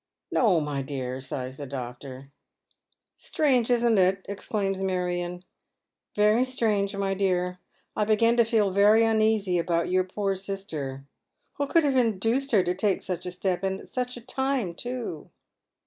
" No, my dear," sighs the doctor. *' Strange, isn't it? " exclaims Marion. "Very strange, my dear. I begin to feel very uneasy about your poor sister. What could have induced her to take such a step ? At such a time, too